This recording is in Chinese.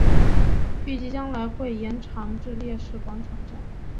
预计将来会延长至烈士广场站。